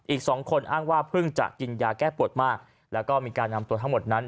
อีกสองคนอ้างว่าเพิ่งจะกินยาแก้ปวดมากแล้วก็มีการนำตัวทั้งหมดนั้น